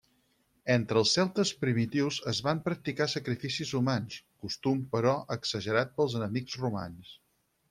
Entre els celtes primitius es van practicar sacrificis humans, costum però exagerat pels enemics romans.